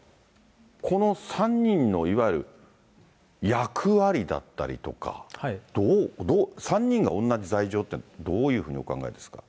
この３人のいわゆる役割だったりとか、どう、３人が同じ罪状って、どういうふうにお考えですか。